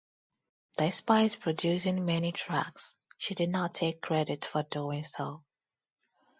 Despite producing many tracks, she did not take credit for doing so.